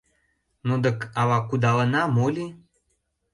— Ну дык ала кудалына моли?